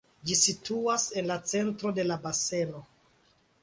Ĝi situas en la centro de la baseno.